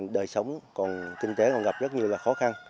đời sống còn kinh tế còn gặp rất nhiều khó khăn